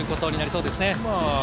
そうですね。